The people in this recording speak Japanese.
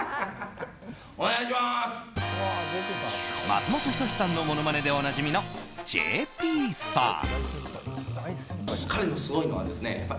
松本人志さんのものまねでおなじみのＪＰさん。